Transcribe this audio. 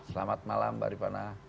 selamat malam mbak rifana